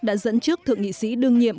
đã dẫn trước thượng nghị sĩ đương nhiệm